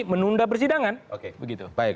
menunda persidangan oke begitu baik